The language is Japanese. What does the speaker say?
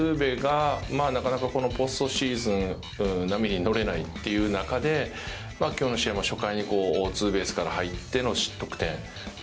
なかなかポストシーズン波に乗れないという中で、今日の試合も初回にツーベースから入っての得点。